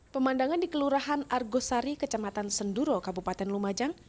pemandangan di kelurahan argosari kecamatan senduro kabupaten lumajang